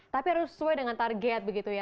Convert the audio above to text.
tapi harus sesuai dengan target begitu ya